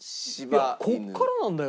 いやここからなんだよ